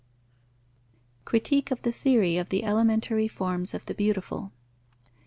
_Critique of the theory of the elementary forms of the beautiful.